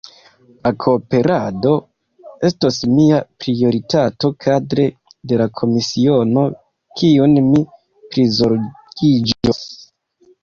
La kooperado estos mia prioritato kadre de la komisiono kiun mi prizorgiĝos.